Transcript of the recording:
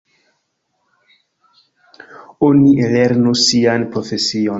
Oni ellernu sian profesion.